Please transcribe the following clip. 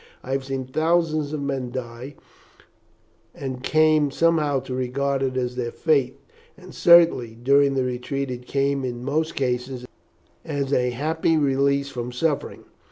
I have seen thousands of men die, and came somehow to regard it as their fate; and certainly, during the retreat it came in most cases as a happy release from suffering.